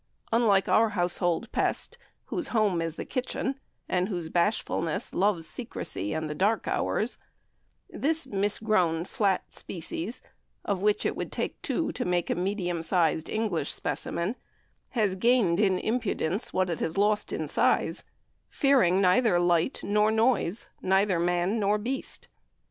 Unlike our household pest, whose home is the kitchen, and whose bashfulness loves secrecy and the dark hours, this misgrown flat species, of which it would take two to make a medium sized English specimen, has gained in impudence what it has lost in size, fearing neither light nor noise, neither man nor beast.